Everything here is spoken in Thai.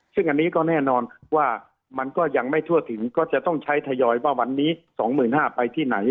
ซึ่งอันนี้ก็แน่นอนว่ามันก็ยังไม่ทั่วถึงก็จะต้องใช้ทยอยว่าวันนี้๒๕๐๐ไปที่ไหน